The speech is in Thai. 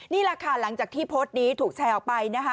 นี่แหละค่ะหลังจากที่โพสต์นี้ถูกแชร์ออกไปนะคะ